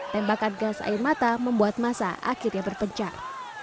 tembakan gas air mata membuat massa akhirnya berpecah